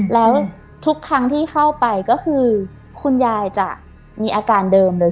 แล้วทุกครั้งที่เข้าไปก็คือคุณยายจะมีอาการเดิมเลย